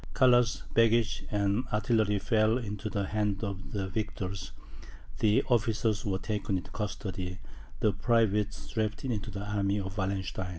Colours, baggage, and artillery all fell into the hands of the victors, the officers were taken into custody, the privates drafted into the army of Wallenstein.